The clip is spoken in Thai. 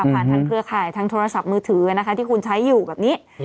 ผ่านทางเครือข่ายทางโทรศัพท์มือถือนะคะที่คุณใช้อยู่แบบนี้